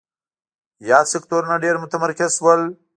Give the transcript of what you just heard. یاد سکتورونه ډېر متمرکز شول.